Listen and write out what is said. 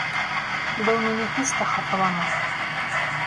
Был мине һис тә хафаламай.